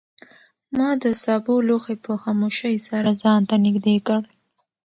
ما د سابو لوښی په خاموشۍ سره ځان ته نږدې کړ.